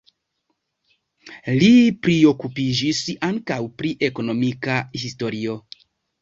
Li priokupiĝis ankaŭ pri ekonomika historio.